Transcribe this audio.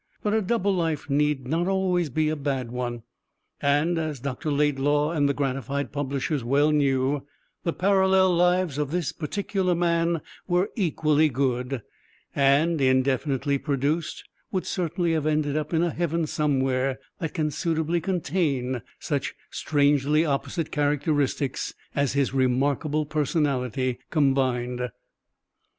But a double life need not always be a bad one, and, as Dr. Laidlaw and the gratified publishers well knew, the parallel lives of this particular man were equally good, and indefinitely produced would certainly have ended in a heaven somewhere that can suitably contain such strangely opposite characteristics as his remarkable personality combined.